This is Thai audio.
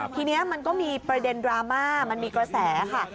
ทีนี้มันก็มีประเด็นดราม่ามันมีกระแสค่ะ